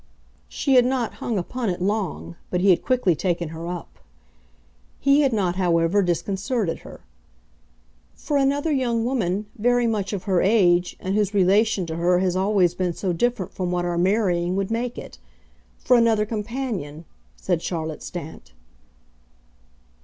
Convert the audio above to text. She had not hung upon it long, but he had quickly taken her up. He had not, however, disconcerted her. "For another young woman very much of her age, and whose relation to her has always been so different from what our marrying would make it. For another companion," said Charlotte Stant.